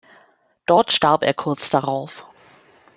Dort starb er kurz darauf.